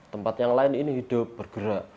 tempat yang lain ini hidup bergerak